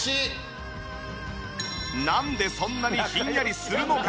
なんでそんなにひんやりするのか？